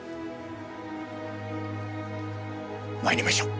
まいりましょう。